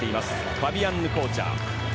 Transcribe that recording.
ファビアンヌ・コーチャー。